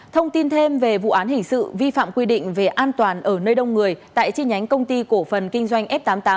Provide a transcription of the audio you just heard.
thông tin thêm về vụ án hình sự vi phạm quy định về an toàn ở nơi đông người tại chi nhánh công ty cổ phần kinh doanh f tám mươi tám